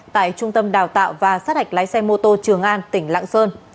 tại trung tâm đào tạo và sát hạch lái xe mô tô trường an tỉnh lạng sơn